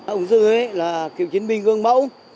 ông dư là cựu chiến binh gương mẫu